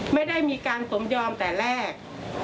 ไม่ได้มีการสมยอมแต่แรก